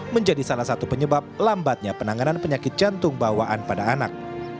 menjadi salah satu penyebab lambatnya penanganan penyakit jantung bawaan pada anak